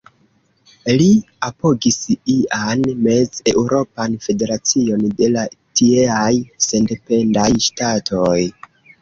Li apogis ian Mez-Eŭropan Federacion de la tieaj sendependaj ŝtatoj.